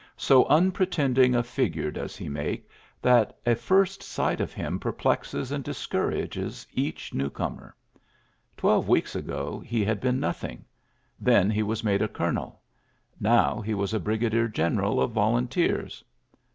So unpretending a figure does he make that a first sight of him perplexes and discourages each new comer. Twelve weeks ago he had been nothing. Then he was made a coloneL Now he was a brigadier general of vol unteers.